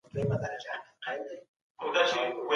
که پوهه ترلاسه کړئ نو ژر به بريالي سئ.